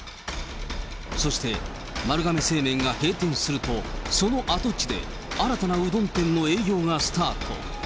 そして、丸亀製麺が閉店すると、その跡地で、新たなうどん店の営業がスタート。